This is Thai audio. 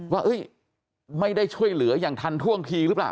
ว่าไม่ได้ช่วยเหลืออย่างทันท่วงทีหรือเปล่า